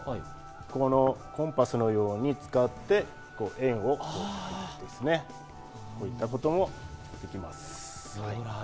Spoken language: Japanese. コンパスのように円を描いたり、こういったこともできます。